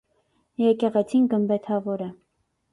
Եկեղեցին գմբեթաւոր է։